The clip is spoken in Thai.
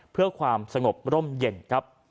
เพื่อความสงบร่มเย็นครับ